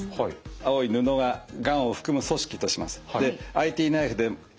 青い布ががんを含む組織とします。